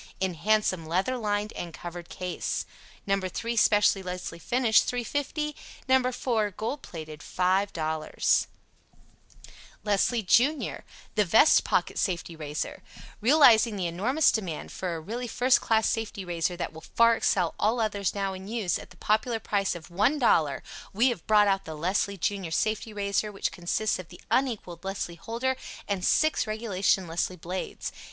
In handsome leather lined and covered case. No.3. Special Leslie Finish $3.50 No.4. Gold Plated. 5.00 LESLIE JUNIOR The Vest Pocket Safety Razor Realizing the enormous demand for a really first class Safety Razor that will far excel all others now in use, at the popular price of $1.00, we have brought out the Leslie Junior Safety Razor which consists of the unequaled Leslie Holder and six regulation Leslie blades.